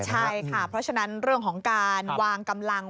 ใช่ค่ะเพราะฉะนั้นเรื่องของการวางกำลัง